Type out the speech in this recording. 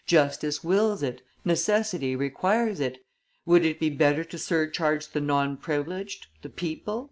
Justice wills it, necessity requires it! Would it be better to surcharge the non privileged, the people?"